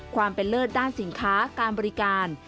ความเป็นเลิศด้านสินค้าการบริการ